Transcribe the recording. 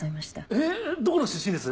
えっどこの出身です？